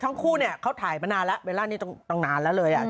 ทั้งคู่เนี่ยเขาถ่ายมานานแล้วเวลานี้ต้องนานแล้วเลย